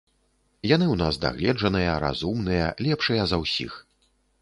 Яны ў нас дагледжаныя, разумныя, лепшыя за ўсіх.